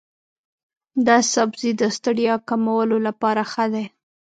دا سبزی د ستړیا کمولو لپاره ښه دی.